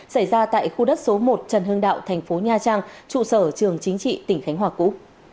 xảy ra tại khu đất số một trần hương đạo tp nha trang trụ sở trường chính trị tỉnh khánh hòa cũ